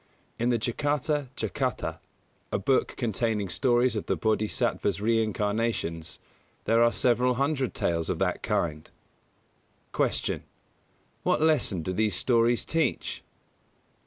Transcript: In the Jātakatthakathā, a book containing stories of the Bōdhisattva's reincarnations, there are several hundred tales of that kind. 112. Q. _What lesson do these stories teach?